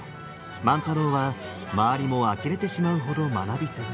万太郎は周りもあきれてしまうほど学び続け。